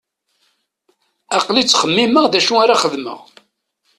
Aql-i ttxemmimeɣ d acu ara xedmeɣ.